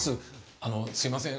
あのすいません。